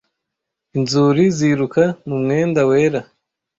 inzuri ziruka mu mwenda wera